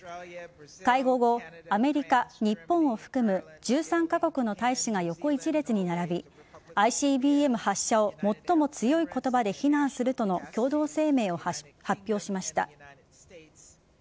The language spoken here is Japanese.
会合後、アメリカ、日本を含む１３カ国の大使が横１列に並びＩＣＢＭ発射を最も強い言葉で非難するとの共同声明を発表しました。